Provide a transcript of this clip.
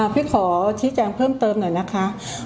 พี่ขอชี้แจงเพิ่มเติมหน่อยนะคะ